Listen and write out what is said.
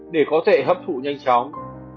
để có thể hấp thụ nhanh chóng